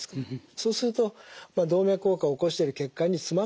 そうすると動脈硬化を起こしている血管に詰まってしまってですね